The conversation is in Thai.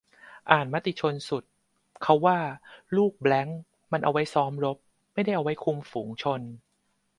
อ่านมติชนสุด เขาว่าลูกแบลงก์มันเอาไว้ซ้อมรบ ไม่ได้เอาไว้คุมฝูงชน